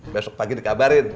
besok pagi dikabarin